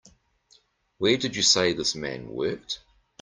Where did you say this man worked?